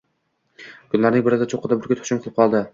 Kunlarning birida cho‘qqida burgut hujum qilib qoldi